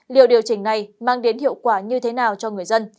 liệu điều chỉnh này mang đến hiệu quả như thế nào cho người dân